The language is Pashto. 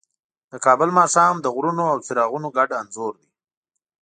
د کابل ماښام د غرونو او څراغونو ګډ انځور دی.